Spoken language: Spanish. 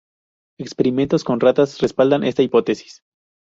Experimentos con ratas respaldan esta hipótesis.